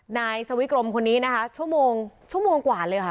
นายสวิกรมคนนี้นะคะชั่วโมงชั่วโมงกว่าเลยค่ะ